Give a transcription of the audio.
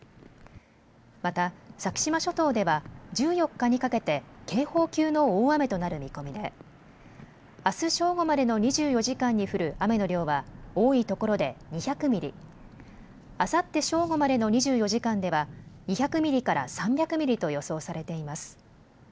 また先島諸島では１４日にかけて警報級の大雨となる見込みであす正午までの２４時間に降る雨の量は多いところで２００ミリ、あさって正午までの２４時間では２００ミリから３００ミリと予想されています。